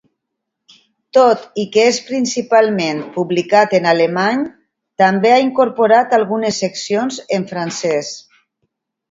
Tot i que és principalment publicat en alemany, també ha incorporat algunes seccions en francès.